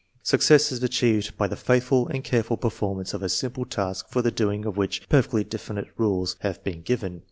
Success is achieved by the faithful and careful performance of a simple task for the doing of which perfectly definite rules have been given."